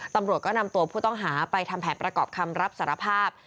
ตำรวจก็นำตัวผู้ต้องหาไปทำแผนประกอบคำรับสารภาพ